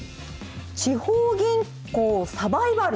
地方銀行、サバイバル。